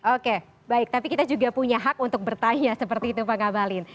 oke baik tapi kita juga punya hak untuk bertanya seperti itu pak ngabalin